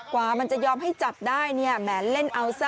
กว่ามันจะยอมให้จับได้เนี่ยแหมเล่นเอาซะ